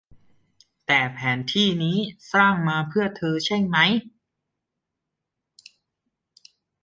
แต่แผนที่นี้สร้างมาเพื่อเธอ ใช่มั้ย